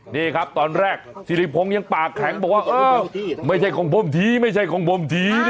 นี่ครับตอนแรกสิริพงศ์ยังปากแข็งบอกว่าไม่ใช่ของผมทีไม่ใช่ของผมที